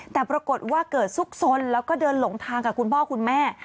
แต่ปรากฏว่าเกิดซุกซนแล้วก็เดินหลงทางกับคุณพ่อคุณแม่